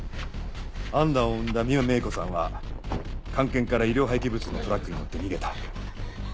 アンナを産んだ美馬芽衣子さんは菅研から医療廃棄物のトラックに乗って逃げた。